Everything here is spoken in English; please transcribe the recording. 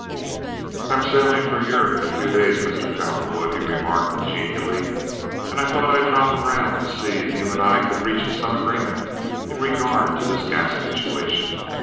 "I'm sailing for Europe in a few days, Mr. Cowperwood," he remarked, genially, "and I thought I'd drop round to see if you and I could reach some agreement in regard to this gas situation.